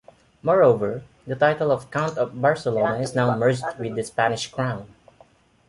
Moreover, the title of Count of Barcelona is now merged with the Spanish crown.